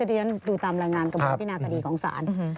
ดูตามรายงานกระบวนพินาคดีของศาล